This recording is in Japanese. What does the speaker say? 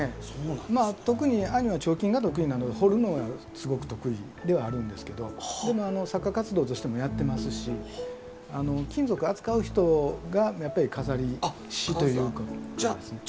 まあ特に兄は彫金が得意なので彫るのがすごく得意ではあるんですけどでも作家活動としてもやってますし金属扱う人がやっぱり錺師ということですね。